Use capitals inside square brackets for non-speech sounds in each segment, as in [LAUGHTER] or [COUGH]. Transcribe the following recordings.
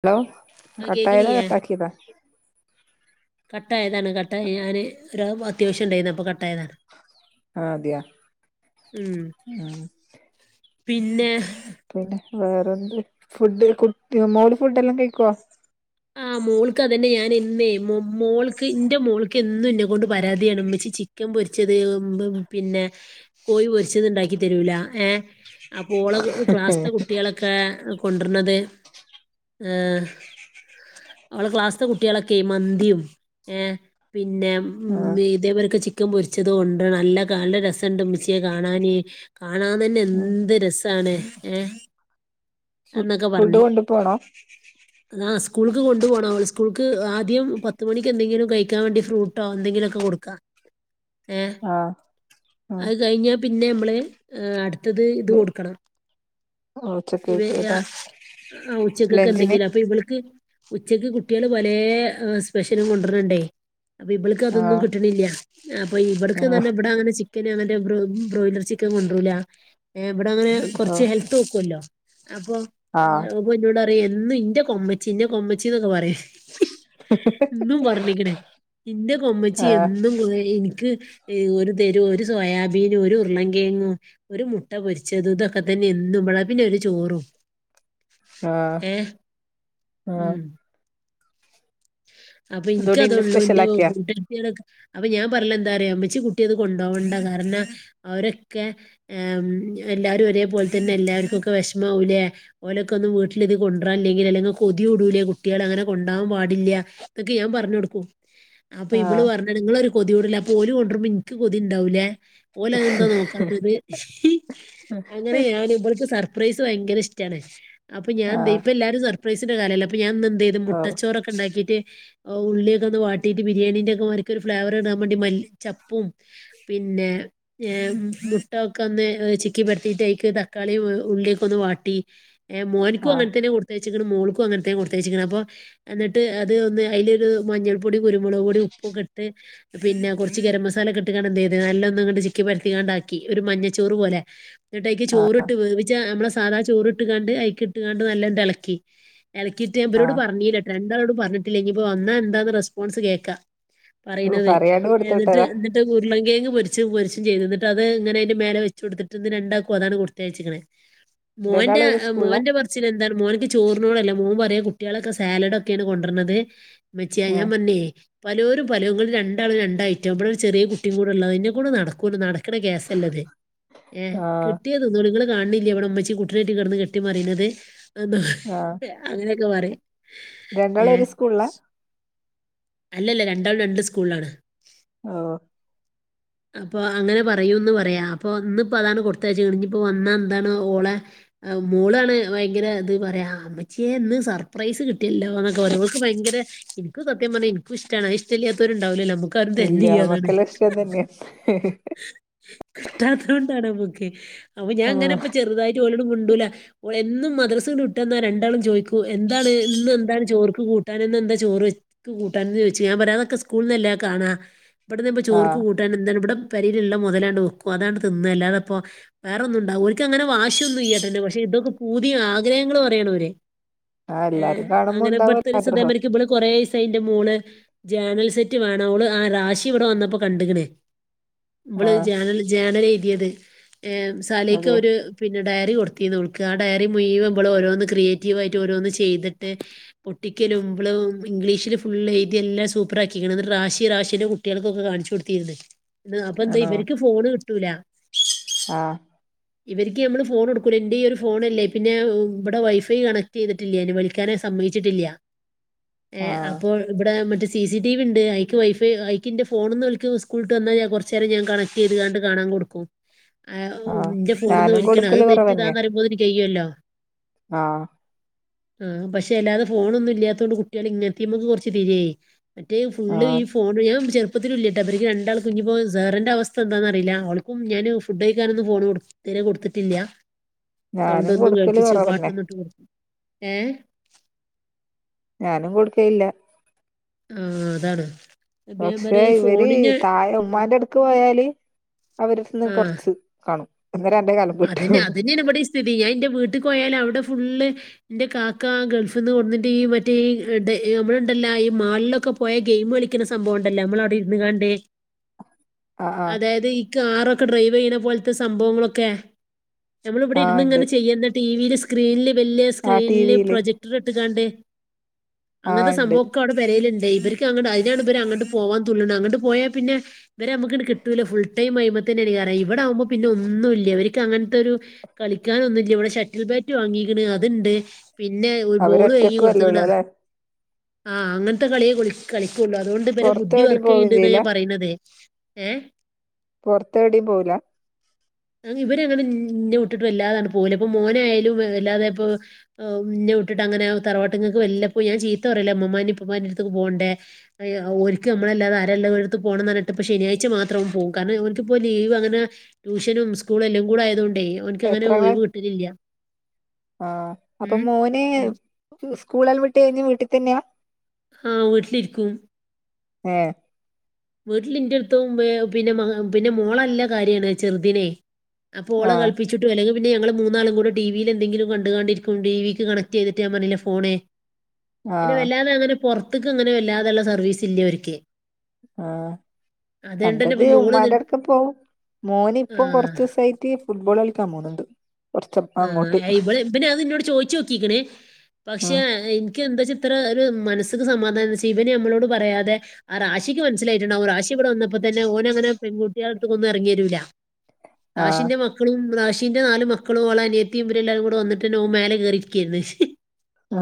Hello ആ കട്ടായതാ കേക്കണില്ലേ കട്ടാക്കിതാ കട്ട് ആയതാണ് കട്ടായി ഞാന് ഒരത്യാവശ്യം ഇണ്ടായേന്നു അപ്പൊ കട്ട് ആയതാണ് ആഹ് അത്യേ ഉം ഉം പിന്നെ പിന്നെ വേറെന്ത് ഫുഡ് കു മോള് ഫുഡ് എല്ലാം കഴിക്കുവോ ആഹ് മോൾക്ക് അതന്നെ ഞാനെ ഇന്നേ മോൾക്ക് ഇൻ്റെ മോൾക്ക് എന്നും എന്നെ കൊണ്ട് പരാതി ആണ് ഉമ്മച്ചി ചി ക്കൻ പൊരിച്ചത് എ് ബ് പിന്നെ കോഴി പൊരിച്ചത് ഇണ്ടാക്കി തരൂല ഏഹ് അപ്പോ ഓള ക്ലാസ്സിത്തെ കുട്ടികളൊക്കെ കൊണ്ടുവരണത് ഏഹ് അവളെ ക്ലാസ്സിലെ കുട്ട്യാളൊക്കെ മന്തീം ഏഹ് പിന്നെ ആ ഉം ഇതേ പോലൊക്കെ ചി ക്കൻ പൊരിച്ചത് കൊണ്ടരണു നല്ല കാ നല്ല രസണ്ട് ഉമ്മച്ച്യ കാണാന് കാണാൻ തന്നെ ഉം എന്ത് രസ ആണ് ഏഹ് ഫു ഫുഡ് കൊണ്ടു പോണോ അ സ്കൂൾക്ക് കൊണ്ടു പോകണം സ്കൂൾക്ക് ആദ്യം പത്ത് മണിക്ക് എന്തെങ്കിലും കഴിക്കാൻ വേണ്ടി ഫ്രൂട്ടോ എന്തെങ്കിലുക്കെ ! ! കൊടുക്കാം ഏ അത് കഴിഞ്ഞാ പിന്നെ നമ്മള്ഏ അടുത്തത് ഇത് കൊടുക്കണം ഇവ എ ഉച്ചക്കേക്ക്താ ഉച്ചക്കൊക്കെ ലഞ്ചിന് എന്തെങ്കിലും അപ്പൊ ഇവൾ ക് ഉച്ചക്ക് കുട്ടിയാള് പല സ്പെഷ്യലും കൊണ്ടുവരണ്ടേ അപ്പൊ ഇവൾക്ക് ആ അതൊന്നും കിട്ടണില്ല അപ്പൊ ഇവിടക്ക് ആ തന്നെ ഇവിടെ അങ്ങനെ ! അങ്ങനെ ബ്രോലർ ചിക്കൻ കൊണ്ടരൂല ഇവിടെ അങ്ങനെ ഓ കുറച് ഹെൽത്ത് തോക്കല്ലോ അപ്പ ആ ന്നോട് അറിഴും എന്നും ഇന്റെ കൊമ്മൻ ചിന്ന കൊമ്മച്ചിന്നൊക്കെ പറയാ ഇന്നും പറഞ്ഞിക്കണേ നിന്റെ കൊമ്മച്ചി ആ ആ എന്നും കു എനിക്ക് ഒരു തെരു ഒരു സോയാബീന ഒരു ഉരുളംങ്കേങ്ങും ഒരു മുട്ട പൊരിച്ചത് ഇതൊക്കെ തന്നെ എന്നും ഇവിടെ പിന്നെ ഒരു ചോറും ആഹ ഏഹ് ഉം അപ്പൊ അതോണ്ട് ഇന്ന് എനിക്കതള്ളൂ എന്റെ സ്പെഷ്യലാക്കിയാ കൂട്ട അപ്പൊ ഞാൻ പറഞ്ഞല ന്താറിയോ മ്മച്ചി കുട്ടി അത് കൊണ്ടോകണ്ട കാരണം അവരൊക്കെ ആ എല്ലാരും ഒരേപോലെ തന്നെ എല്ലാവർക്കുംക്കെ വിഷമവലൈ ഓലെക്ക ഒന്നും വീട്ടിലിത് കൊണ്ടര ല്ലങ്കിൽ കൊതിടൂലേ കുട്ടികൾ അങ്ങനെ കൊണ്ടാവാൻ പാടില്ല ന്ന ക്കെ ഞാൻ പറഞ് കൊടുക്കും അപ്പൊ ആ ഇവള് പറഞ്ഞ നിങ്ങളൊരു കൊതി കൂടൽ അപ്പൊ ഓല് കൊണ്ടരുബോഎനിക്ക് കൊതി ഉണ്ടാവലേ ഓൽ അത് എന്താ നോക്കാത്തത് അങ്ങനെ ഞാൻ ഇവൾക് സർ.. സർപ്രൈസ് ഭയങ്കര ഇഷ്ടണ് അപ്പൊ ഞാ ആ എ ഇപ്പ എല്ലാരും സർപ്രൈസിന്റെ കാലല്ല അ ഞാന എന്ത് ചെയ്തു ഓ മുട്ടച്ചോറൊ ഒക്ക ഉണ്ടാക്കിയിട്ട് ഉള്ളിയൊക്കെന്ന് വാട്ടീട്ട് ബിരിയാണിന്റെ ഒക്കെ ഒരു ഫ്ലേവർ ഇടാൻവേണ്ടി മല്ലി ചപ്പും പിന്നെ ഏ മുട്ട ഒക്കെ ഒന്ന് ചിക്കി പരത്തിട്ട് ആയിക് തക്കാളി ഉള്ളി ഒക്കെ ന്ന് വാട്ടി മോൻക്കും ആ അങ്ങനത്തന്നെ കൊടുത്തയച്ചക്കണ് മോൾക്കും അങ്ങനത്തും കൊടുത്തയച്ചേക്ക എന്നിട്ട് ത് ഒന്ന് അലൊരു മഞ്ഞൾപ്പൊടി കുരുമുളക് പൊടി ഉപ്പുംക്കെ ഇട്ട് പിന്നെ കുറച്ച് ഗരം മസാല ഇ ട്ടുകാണ്ട് എന്ത ചെയത് നല്ല ഒന്നുണ്ട്ചിക്കി പരത്തിണ്ടാക്കി ഒരു മഞ്ഞച്ചോറ് പോലെ എന്നിട്ട്യ്ക്ക് ചോറിട്ട് വേവിച്ച നമ്മളെ സാധാ ചോറി ഇട്ട് കാണ്ട് അഐക് ഇട്ണ്ട് നല്ല ഇളക്കി ഇളക്കിയിട്ട് ഞൻവ ആ രോട് പറഞ്ഞില്ലട്ട രണ്ടാളോടും പറഞ്ഞിട്ടില്ല ഇപ്പോ വന്നാ എന്താന്ന് റെസ്പോൺസ് കേൾക്കാം ഓ പറയുന്നത് പറയാണ്ട് കൊടുത്തു എന്നിട്ട് വിട്ടതാ ഉരുളങ്കങ് പൊരിച് പൊരിച് ചെയ്തിട്ട് അത് ഇങ്ങനെതിന്റെ മേലെ വെച്ച കൊടുത്തിട്ട്ന്ന്ണ്ടാക്കും അതാണ് ! ! കൊടുത്തയഴച്ചിക്കണുന്നത് മോന്റെ മോന്റെ. ച്ഛന് എന്താണ് മോനിക്ക് ചോറിനോടല്ല മോൻ പറയു ക കുട്ടികളൊക്കെ സാലഡ് ഒക്കെയാണ് കൊണ്ടുരണത് മച്ചിയെ ഞാ ഏ പറഞ്ഞെ പലോരും പലങ്ങളിൽ രണ്ടാളും രണ്ടായിട്ടും ഇ വിടെ ഒരു ചെറിയ കുട്ടിയും ഉള്ളത് ഇനകൊണ്ട് നടക്കുല്ല നട നടക്ന കേസ് അല്ല ത് ആ കിട്ടി യാത് തിന്നോളി നിങ്ങൾ കാണില്ലേ അവിടെ ഇ മ്മച്ചി കൂട്ടിനായിട്ട് കിടന്ന് കെട്ടി മറിയുന്നത് ആ അങ്ങനെയൊക്കെ പറയും രണ്ടാളും ഏഹ് ഒരു സ്കൂള് ല അല്ലല്ല രണ്ടാളും രണ്ട് സ്കൂളലാണ് ഓ അപ്പൊ അങ്ങനെ പറയൂന്ന് പറയാ അപ്പൊ ഇന്നിപ്പോ അതാണ് കൊടുത്തയച്ച കണ് ഇപ്പോ വന്നാ എന്താണ് ഓള മോളാണ് ഭയങ്കര ഇത് പറയാ ഇ മ്മച്ചിയെ ഇന്ന് സർപ്രൈസ് കിട്ടിയല്ലോ എന്നൊക്കെ ഓരോർക്ക് ഭയങ്കര ഇത് സത്യം പറഞ്ഞാ എനിക്ക ഇഷ്ടണ് ഇഷ്ടല്ലാത്തവരുണ്ടാവില്ലേ ന ഇല്ല മക്കള്ള ഇഷ്ടം തന്നെയാ [UNINTELLIGIBLE] ആ ചെറുതായിട്ട് ഓലോഡ് മിണ്ടൂല എന്നും മദ്രസ വിട്ട് വന്നാ രണ്ടാളും ചോദിക്കു എന്താണ് ഇന്ന എന്താണ് ചോറ്ക്ക് കൂട്ടാൻ എന്താ ചോറ് ത്ത് കൂട്ടാന്ന് ചോദിച്ചു ഞാൻ പറഞയ് തൊക്കെ സ്കൂൾന്നല്ല കാണാം ഇവിടെന്ന് ആ ചോർക്ക് കൂട്ട ഇവിടെ എന്താണ് ഇവിടെ പരിയിലുള്ള മോതലണ്ട് വക്കും അതാണ് തിന്ന അല്ലാതപ്പോ വേറെന്നും ഉണ്ടാ ഒക്ക് അങ്ങനെ വാശിയ ഒന്നും ഇല്ല്യാട്ടോ ന്നെ പക്ഷെ ഇതൊക്കെ പൂതി ആഗ്രഹങ്ങൾ പറയണവര് ആ ഏയ് എല്ലാരും കാണുമ്പോ അങ്ങനെ ഉണ്ടാവല്ലോ ഇപ്പടുത്തെരിസം തെ ആഗ്രഹം മാതിരിക്ക പള് കൊറ സ് ന്റെ മോള് ജേണൽ സെറ്റ് വേണം അവള് ആ രാശി ഇവിടെ വന്നപ്പോ കണ്ടുകണ് ആ വള് ജെനൽ ജേർണേൽ ൽ എഴുതിയത് ഏമ് സലീക്ക അതെ ഒരു പിന്നെ ഡയറി കൊടുത്തിനി ഓള്ക്ക് ആ ഡയറി മുയ് വൻ വള് ഓരോന്ന് ക്രിയേറ്റീവയിട്ട് ഓരോന്ന് ചെയ്തിട്ട് ഒട്ടിക്കലും ബ്ലു ഇംഗ്ലീഷ് ഫുള് എയ്തില്ലാം സൂപ്പറാക്കിക്ക്ണ് ന്നിട്ട് റാശി റാശീടെ കുട്ടികൾക്കൊക്കെ കാണിച്ചു കൊടുത്തിരുന്ന് അപ്പൊ എന്താ ഇവർക്ക് ഫോണ് കിട്ടൂല ആഹ് ഇവർക്ക് നമ്മള് ഫോൺ കൊടുക്കൂല ന്റെ ഈ ഒരു ഫോണല്ലേ പിന്നെ ഇവിടെ വൈഫൈ കണക്ട് യ്തിട്ടില്ലേനു വലി ക്കാൻ സമ്മയിച്ചിട്ടില്ല എ ആ അഹ് ഇവിടെ മറ്റേ സി സി ടി വി ഉണ്ട് ഐക്ക് വൈഫൈ ഐക്കിന്റെ ഫോണ ഒന്ന് വിളക്ക് സ്കൂൾ ട്ട് വന്നാ കുറച്ച് ചേരം ഞാൻ കണക്ട് ചെയ്ത് ങാണ്ട് കാണാൻ കൊടുക്കും ആ ന്റെ ഫോണിൽ നിന്ന് ഞാനും വിളിക്കണം അത് കൊടുക്കല് നെറ്റ് ഇതാന്ന് പറയുമ്പോത് എനിക്ക് കയ്യുവല്ലോ ആഹ് ആഹ പക്ഷെ അല്ലാതെ ഫോണൊന്നും ഇല്ലാത്തോണ്ട് കുട്ടികൾ ഇങ്ങനെത്തിമക്ക് കൊറച്ച് തിരിയേ മറ്റേ ആ ഫുള്ള് ഈ ഫോൺ [UNINTELLIGIBLE] ചെറുപ്പത്തില ഇല്ലട്ടാ ഇവർക്ക് രണ്ടാൾ കുഞ്ഞിപ്പോ സറ ന്റെ അവസ്ഥ എന്താന്ന അറിയില്ല ഓൾക്കും ഞാന് ഫുഡ് കഴിക്കാനൊന്ന് ഫോൺ കൊടു ഇതെരെ കൊടുത്തിട്ടില്ല സൗണ്ട് ഞാനും ഒന്നും കൊടുക്കല് കേൾപ്പിച് കുറവന്നെ പാട്ടൊന്നിട്ട് കൊടുത്തു ഏഹ് ഞാനും കൊടുക്കയില്ല ആഹ് അതാണ് അപ്പം ഞാൻ പക്ഷെ പറയാം ഈ ഇവര് ഫോണിന് തായെ ഉമ്മാന്റെ അടു പോയാല് അവരിന്ന് ആ കൊറച്ച് കാണും അന്നേരന്റെ അതന്നെ അതന്നെയാണ് [UNINTELLIGIBLE] ഇവിടെ ഈ സ്ഥിതി ഞാൻ എൻ്റെ വീട്ടിക്കോയാല് അവിടെ ഫുള് എന്റെ കാക്ക ഗൾഫിൽന്ന് കൊട്ന്നിട്ട് ഈ മറ്റേ ടെ നമ്മളുണ്ടല്ല ഈ മാൾലൊക്കെ പോയ ഗെയിം കളിക്കുന്ന സംഭവംണ്ടല്ലോ നമ്മളവിടെ ഇരുന്ന് കാണ്ട് ആ ആ അതായത് ഈ കാറൊക്കെ ഡ്രൈവ് ചെയ്യണ പോലത്തെ സംഭവങ്ങളൊക്കെ നമ്മൾ ഇവിടെ ആ ഇരുന്ന ഉണ്ട് ങ്ങനെ ചെയ്യുന്ന ടിവിയില് സ്ക്രീനില് വലിയ ആ സ്ക്രീനില് ടിവിയില് പ്രൊജക്ട് ട്ട് ങ്ങാട് ആ അങ്ങനത്തെ ഉണ്ട് സംഭാവക്കെ അവിടെ പെരേലുണ്ട് ഇവർക്ക് അങ്ങ് അതിനാണ് ഇവർ അങ്ങട്ട് പോവാൻ തുള്ളുന്നത് അങ്ങോട്ട് പോയാൽ പിന്നെ ഇവര് നമക്ക് കിട്ടൂല്ല ഫുൾടൈം ആയ്മത്തന്നണ്കാരം ഇവിടെവുമ്പ പിന്നെ ഒന്നുല്ല ഇവര് അങ്ങനത്തെരു കളിക്കാനോന്നുല്ല ഇവിടെ ഷട്ടിൽ ബാറ്റ് വാങ്ങിക്ക് ണ് അത്ണ്ട് പിന്നെ ഒരു ബോള് വേങ്ങി അവരൊറ്റക്കുവല്ലേ കൊടുത്തക്കണാ ഉള്ളൂ അല്ലെ ആഹ് അങ്ങനത്തെ കളിയെ കളിക്കുള്ളൂ അതുകൊണ്ട് ഇവരെ ബുദ്ധി പൊറത്തെവിടെയും പോവേം വർക്കയ്ണ്ട്ന്ന് ചെയ്യില്ല ഞാൻ പറയുന്നതേ ഏ പൊറത്തെവിടയും പോവൂല ഇവര്ങ്ങനെ ന്നേ വിട്ടിട്ട് വല്ലാതാണ്ട് പോവൂല പ്പോ മോനായാലും വല്ലാതെ പ്പൊ ന്നെ വിട്ട് അങ്ങനെ തറവാട്ടങ്ങക്ക് വല്ലപ്പോ ഞാ ചീത്താ പറയല ഇമ്മമ്മാൻ്റെ ഉപ്പുപ്പാന്റെ അടുത്തക്ക് പോണ്ടേ ഒ ാര്ക്ക് നമ്മളല്ലാതെ ആരെഉള്ളത് ഓലട് ത് പോണം പറഞ്ഞിട്ട് ഇപ്പൊ ശനിയാഴ്ച മാത്രം പോകും കാരണം ഓന്ക്ക്പ്പോ ലീവ് അങ്ങനെ ട്യൂഷനും സ്കൂള് എല്ലാം കൂടെ ആയത് കൊണ്ടോ എത്ര ക്ലാ ആഹ് അപ്പൊ ഉം മോന് ഉം. സ്കൂളല്ല വിട്ടി കഴിഞ്ഞ വീട്ടിൽ തന്നെയാ ആഹ വീട്ടില് രിക്കും ഏഹ് വീട്ടിലിന്റെ ടുത്തും പിന്നെ പ മോളല്ല കാര്യാണ് ചെറുതിനെ അപ്പൊ ഓള ആഹ് കളിപ്പി ചുട്ടും അല്ലെങ്കിൽ പിന്നെ ഞങ്ങള് മൂന്നാളും കൂടെ ടി വിയി എന്തെങ്കിലും കണ്ടുകണ്ടിരിക്കും. ടിവിക്ക് കണക്ട് ചെയ്തിട് ഞാൻ പറഞ്ഞീലെ ഫോണ് ആഹ് വല്ലാതെ അങ്ങനെ പൊറത്തേക്ക് അങ്ങനെ വല്ലാതെയള്ള സർവീസ് ഇല്ലേ ഓർക്ക്. ആഹ തന്നെ അൻ്റെത് ഇപ്പം മോള് നി ഉമ്മാന്റെ അട്ത്ത് പോവും മോന് ആ ഇപ്പം കൊറച്ച് ദിവസായി പ്രത്യ ഫുട്ബോൾ കളിക്കാൻ പോണ്ണ്ണ്ട് ആഹ ഇപൽ ഇപന് അത് നിന്നോട് ചോയിച്ച് നോക്കിക്ക്ണ് പക്ഷെ ആഹ് ഇക്കി എന്താ വെച്ചാ ഇത്ര ഒരു മനസ്സ് സമാധാനം ഇച്ച് ഇവന് നമ്മളോട് പറയാതെ ആ റ ാശിക്ക് മനസിലായി ട്ടുണ്ടാവും റാശി ഇവിടെ വന്നപ്പോ തന്നെ ഓന അങ്ങനെ പെൺകുട്ടിയാളടത്ത് ക്കെന്നും ഇറങ്ങിരൂല്ല. ആഹ് ഷിന്റെ മക്കളും റാശിന്റെ നാല് മക്ക മക്കളും ഓളനിയത്തിയും ഇവര് എല്ലാവും കൂടെ വന്നട്ട്ന്നെ ഓ മേല കേറിരിക്കാരുന്നു.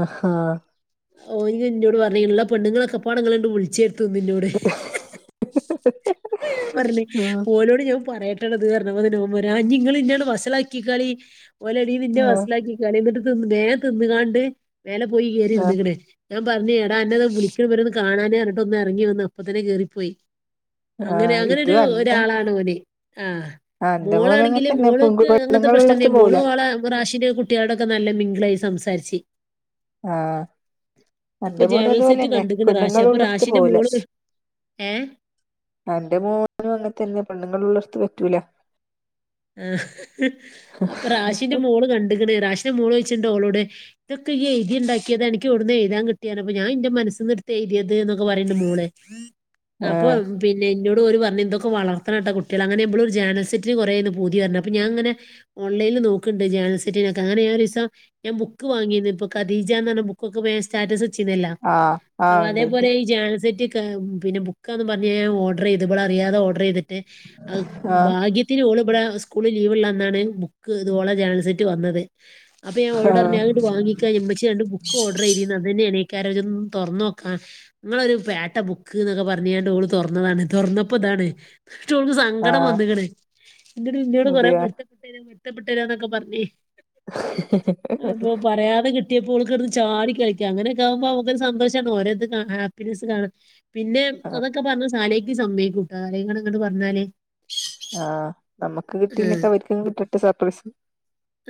ആഹാ ഓ ഇനോട് പറഞ്ഞി ഇള്ള പെണ്ണങ്ങളൊക്കൊ നിങ്ങളണ്ട് വിളിച്ച ര് ന്നടെ പറഞ്ഞ് ആഹ് ഒ ാലോട് ഞാൻ പറയട്ടെ [UNINTELLIGIBLE] പറി ഇഞ്ങ്ങള്ഇന്നെ വസളാക്കി ക്കാളി ഓലടിന്ന് ആഹ് വസ ളാക്കികാളി കളിന്നിട്ട് തിന്ന് വോം തിന്നുകാണ്ട് മേല പോയി ആഹ് കേയറിരുന്ന്ക്ക് ണ്. ഞാൻ പറഞ്ഞു എടാ അന്നതാ വിളിക്കണ ഇവര് കാണാന പറഞ്ഞട്ട് ഒന്ന് ഇറങ്ങി വന്ന് അപ്പ തന്ന കേറിപ്പോയി. അങ്ങനെ ആഹ് അങ്ങനെരു ഇതും അന്റെ ഒരാളാണ് ഓന് ആ ആഹ് അന്റെ മോനും അങ്ങനെ മോളാണെങ്കില് തന്നെ പെങ്കു മോള്ക്ക് അങ്ങനത്തെ പ്രശ്നംന്ന പെണ്ണുങ്ങളുള്ളടത്ത് പോവൂല മോള ആള റാശിന്റെ കു കുട്ടികളോടൊക്കെ നല്ല മിംഗിളായി സംസാരിച്ച് ആഹ അപ്പൊ അന്റെ മോന ജേണൽ സെറ്റ് അതുപോലെന്നെ കണ്ട്ക്ക്ണ് റാഷി പെണ്ണുങ്ങൾ അപ്പൊ ഉളളർത്ത റാഷിന്റെ പോവൂല. മോള് ഏഹ് എന്റെ മോനും അങ്ങനെ തന്നെ പെണ്ണുങ്ങളള്ളിടത്ത് പറ്റൂല. ആ് അപ്പൊ റാഷിന്റെ മോള് കണ്ട് ക്ക്ണ റാഷിന്റെ മോള് ചോയിച്ചുണ്ട്ഓളോട് ഇതൊക്കെ ഈ എഴതിണ്ടാക്കിയത് അനക്ക്എവിടുന്ന് എഴുതാൻ കിട്ടിയത്അപ്പോ ഞാൻന്റെ മനസിന്ന് എടുത്ത് എഴുതിയത് എന്നൊക്ക പറയുന്നു മോള് [INAUDIBLE] അപ്പൊ ആഹ് പിന്നെ എന്നോട് ഒരു പറഞ്ഞ് ഇന്തൊക്കെ വളർത്തണ കേട്ടാ കുട്ടികളെ അങ്ങനെുമ്പളും ഒരു ജാനൽ സെറ്റി കെറ പൂതി പറഞ്ഞ് അപ്പ ഞാൻ അങ്ങനെ ഓൺലൈനിൽ നോക്കുന്നുണ്ട് ജസെറ്റിന അങ്ങനെ ആ ഒരു ദിവസം ഞാൻ ബുക്ക് വാങ്ങി ഇപ്പൊ കദീജ എന്ന ബുക്ക് ബുക്ക് സ്റ്റാറ്റസ് വെച്ചീനല്ലോ ആഹ് ആഹ് ഉണ്ട് ഉണ്ട് അതേപോലെ ജെനൽ സിറ്റി പിന്നെ ബുക്കന്ന് പറഞ്ഞ ഓർഡർ ചെയ്ത് അറിയാതെ ഓർഡർ ചെയ്തിട്ട് ആഹ് ഭാഗ്യം ഒത്തി ഓളിവിടെ സ്കൂളിൽ ലീവ്ള്ള എന്നാണ് ബുക്ക് ഇതുപോള ജേനൽ സിറ്റി വന്നത് അപ്പ ഞാൻഓളോട് ആഹ് പറഞ്ഞ്അതങ്ങട് വാങ്ങി ഉമ്മച്ചിരണ്ട് ബുക്ക് ഓഡർ ചെയ്തിരുന്നു അതന്നെയാണ്ണേക്കാരോ ജ് ഒന്ന് തുറന്ന് നോക്കാം നിങ്ങളൊരു പേട്ട ബുക്ക് എന്നൊക്കെ പറഞ്ഞാണ്ട് ഓ തുറന്നതാണ് തുറന്നപ്പോ ഇതാണ് റ്റ് ഓൾക്ക് സങ്കടം ആഹ് വന്നിക്കണ് ഇന്ന ഇന്നോട് കുറേ അതെയ പരുത്തപ്പെട്ടേ പൊരുത്തപ്പെട്ടരന്നൊക്കെ പറഞ് അപ്പൊ പറയാതെ കിട്ട കിട്ടിയപ്പോൾചാടി കളിക്ക അങ്ങനൊക്കെ ആവുമ്പോ നമുക്ക് ഒരുസന്തോഷമാണ് ഓരോത്ഹാപ്പിനെസ് കാണാൻ പിന്നെ ആഹ് അതൊക്കെ പറഞ്ഞ സാലേക്ക് സമ്മയക്കൂട്ടാ സാലേക്കാണ് അങ്ങട്ട് പറഞ്ഞാലല് ആഹ് നമ്മക്ക് ആഹ് കിട്ടീലൊക്കെ അവർക്ക് കിട്ടട്ടെ സർപ്രൈസ്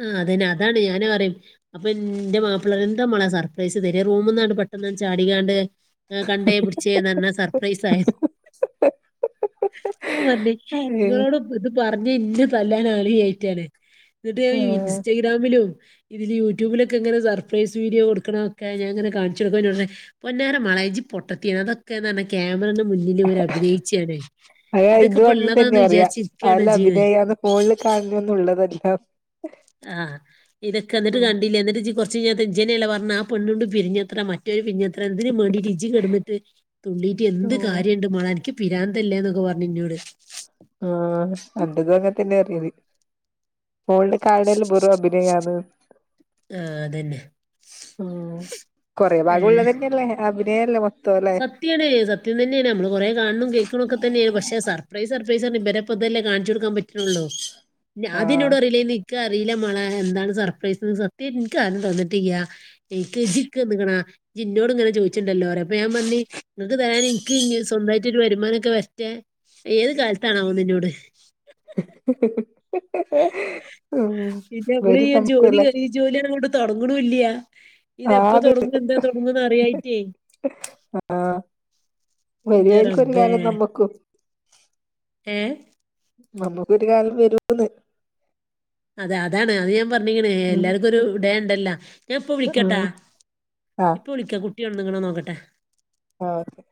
ആ അതന്നെ അതാണ് ഞാനും പറയും അപ്പൊ എന്റെ മാപ്പിള്ളേർ എന്താ മളെ സർപ്രൈസ് തെ റൂമന്നാണ് പെട്ടെന്ന് ചാടികാണ്ട് കണ്ടേ പിടിച്ചേ നല്ല സർപ്രൈസ ആയി ഞാൻ പറഞ്ഞെ അയ്യോ ഇങ്ങളോടും പറഞ് ഇന്നെ തല്ലാനാള് ഇല്ലാഞ്ഞിട്ടാണ്എന്നിട്ട് ആഹ് ഇൻസ്റ്റഗ്രാമിലും ഇതില് യൂട്യൂബിലൊക്കെ ഇങ്ങെ സപ്രൈസ് വീഡിയോ കൊടുക്കണ ഒക്കെ ഞാങ്ങനെണെടുക്ക എന്നോട് പറഞ്ഞ പൊന്നാര മോളെ ജ് പൊട്ടത്തിയ അത ക്കഞ്ഞ ക്യാമറന് മുന്നിൽ ഇവര് അഭിനയിച്ചാണ് അയ ഇതൊക്കെ ഇതും ഇപ്പ അങ്ങനെ തന്നെ ഉള്ളതാന്ന് പറയാ വിചാരിച്ച അല്ല അഭിനയന്ന് ഫോണിൽ കാണണ ഒന്നും ഉള്ളതല്ല ആഹ് ഇതൊക്കെ എന്നിട്ട് ഉം കണ്ടി ഇല്ല എന്നിട്ട് കുറച്ച് കഴിഞ്ഞ് ജ് തന്നെയല്ലെ പറഞ്ഞ ആ പണ്ണുണ്ട് പിരിഞ്ഞത്രെ മറ്റെ കുറ്റര് പിന്നെ എത്ര എന്തിനന് വേണ്ടിട്ട് ഇജി കിടന്നി തുള്ളിയിട്ട് എന്ത് ഉം കാര്യംണ്ട് മോളെ ൻക്ക് പിരാന്തല്ലേന്നൊക്കെ പറഞ്ഞഞ് ഇന്നോട് ആഹ് അന്റെതും അങ്ങത്തന്നെ പറിയത് ഓൾഡ് കാർഡൽ വെറും അഭിനയന്ന് ആഹ്അതന്നെ ഏ അഭിനയല്ല മ സത്ത് സത്യയാണ് സത്യംതന്നെയാണ് നമ്മൾ കൊറെ കാണിനും കേൾക്ണും ഒക്കെ തന്നെയാ പക്ഷേ സപ്രൈസ് സർപ്രൈസ് എന്ന് ഇവരെ ഇപ്പം ഇതല്ലെ കാണിച്ചു കൊടുക്കൻ പറ്റിയത് ഇത്ര ഒള്ളു ആദ്യം ആഹ് ഇന്നോടറീലെ നി ഇൻകറീല മോളേഎന്താണ് സർപ്രൈസ്ന്ന് സത്യായിട്ടും ഇൻക്കാരും തന്നീട്ടില്ല്യാ എനിക്ക് ജിക്കന്ന്ക്ണോ ജിന്നോട് ഇങ്ങനെ ചോദിച്ചിണ്ടല്ലോറിം അപ്പം ഞാൻ പറഞ്ഞ്നിങ്ങൾക്ക് തരാൻ എനിക്ക് ഇഞ്ഞി സ്വന്തമായിട്ടൊരു വരുമാനം ഒക്കെ വെരട്ടെ ഏത് കാലത്താണാവോന്ന് ഇന്നോട് ഹ്ഹ്ഹ ഹ ഹ ഹ് പിന്നെ നമ്മള് ഈ ജോലി കയിഞ്ഈ ജോലിങ്ങോട്ട് തുടങ്ങണൂല്ല ഇതെപ്പോ ആത് തുടങ്ങും എന്താ തൊടങ്ങുംന്ന് അറിയായിറ്റേ ആഹ്ആഹ് ഇന്റെ വരുവായിരിക്കും ഒരു റബ്ബേ. കാലം നമ്മുക്കും ഏഹ് നമുക്കൊ ഒരു കാലം വരൂന്ന് അതെ അതാണ് അത് ഞാൻ പറഞ്ഞി ക്ണ് ഉം എല്ലാവർക്കും ഒരു ഡേ ഉണ്ടല്ലോ ഞാൻ ഇപ്പ വിളിക്കട്ടോ ഉം ആ ഇപ്പൊ വിളിക്കാം കുട്ടി കുട്ടി ഒണ് ന്ന് ക്ണോ നോക്കട്ടെ ഓക്കെ